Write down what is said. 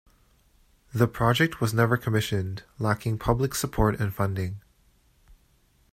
The project was never commissioned, lacking public support and funding.